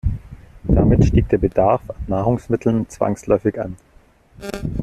Damit stieg der Bedarf an Nahrungsmitteln zwangsläufig an.